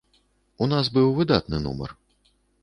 У нас быў выдатны нумар.